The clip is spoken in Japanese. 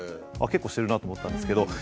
結構してるなあと思ったんですけど。